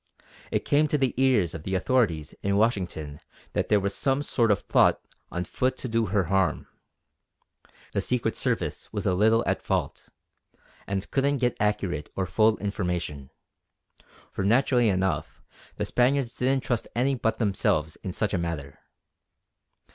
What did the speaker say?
It came to the ears of the authorities in Washington that there was some sort of plot on foot to do her a harm. The Secret Service was a little at fault, and couldn't get accurate or full information; for naturally enough the Spaniards didn't trust any but themselves in such a matter.